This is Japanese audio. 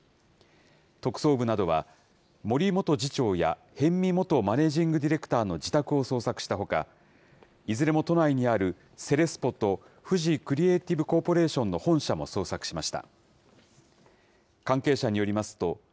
特捜部などは、森元次長や逸見元マネージング・ディレクターの自宅を捜索したほか、いずれも都内にあるセレスポとフジクリエイティブコーポレーションの本社も捜索しました。